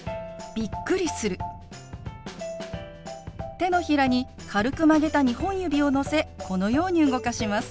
手のひらに軽く曲げた２本指をのせこのように動かします。